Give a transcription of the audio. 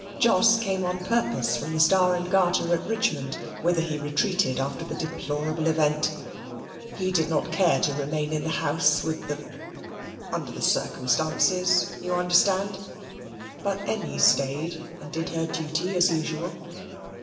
Jos came on purpose from the Star and Garter at Richmond, whither he retreated after the deplorable event. He did not care to remain in the house, with the under the circumstances, you understand. But Emmy stayed and did her duty as usual.